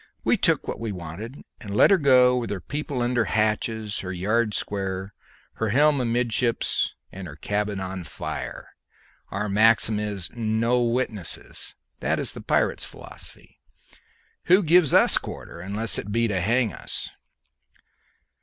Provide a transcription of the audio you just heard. We took what we wanted, and let her go with her people under hatches, her yards square, her helm amidships, and her cabin on fire. Our maxim is, 'No witnesses!' That is the pirate's philosophy. Who gives us quarter unless it be to hang us?